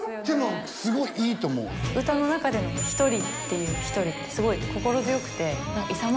でもすごいいいと思う歌の中での「一人」っていう一人ってすごいうんうん